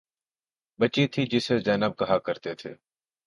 بچی تھی جسے زینب کہا کرتے تھے